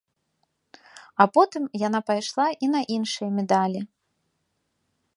А потым яна пайшла і на іншыя медалі.